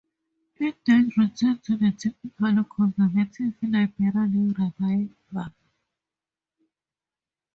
It then returned to typical Conservative-Liberal rivalry.